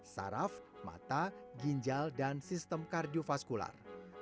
saraf mata ginjal dan sistem kardiofaskular